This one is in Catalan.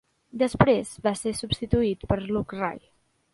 Després va ser substituït per Luke Ray.